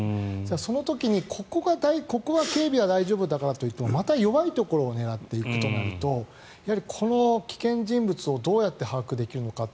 その時にここは警備は大丈夫だからといってもまた弱いところを狙っていくとなるとこの危険人物をどうやって把握できるのかって